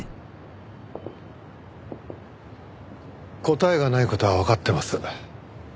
答えがない事はわかってます。